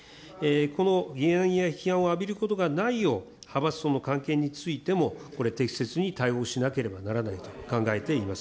この疑念や批判を浴びることのないよう派閥との関係についてもこれ、適切に対応しなければならないと考えています。